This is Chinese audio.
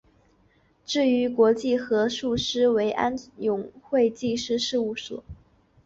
至于国际核数师为安永会计师事务所。